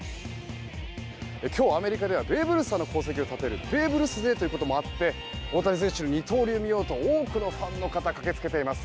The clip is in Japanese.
今日アメリカではベーブ・ルースさんの功績をたたえるベーブ・ルースデーということもあって大谷選手の二刀流を見ようと多くのファンの方が駆けつけています。